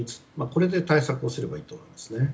これで対策をすればいいと思います。